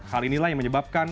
hal inilah yang menyebabkan